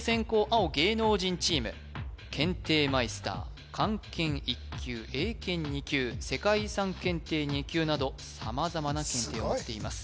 青芸能人チーム検定マイスター漢検１級英検２級世界遺産検定２級など様々な検定を持っています